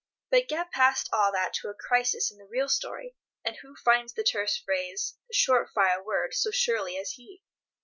But get past all that to a crisis in the real story, and who finds the terse phrase, the short fire word, so surely as he?